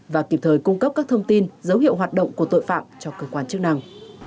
và kịp thời cung cấp các thông tin dấu hiệu hoạt động của tội phạm cho cơ quan chức năng